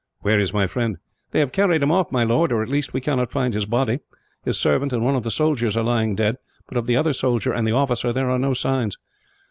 "Where is my friend?" "They have carried him off, my lord; or at least, we cannot find his body. His servant and one of the soldiers are lying dead; but of the other soldier, and the officer, there are no signs."